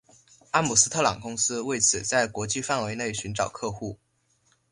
阿姆斯特朗公司为此在国际范围内寻找客户。